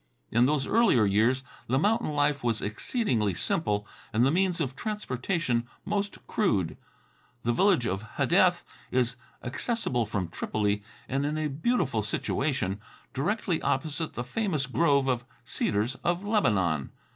In those earlier years the mountain life was exceedingly simple and the means of transportation most crude. The village of Hadeth is accessible from Tripoli and in a beautiful situation, directly opposite the famous grove of Cedars of Lebanon.